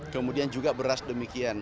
kemudian juga beras demikian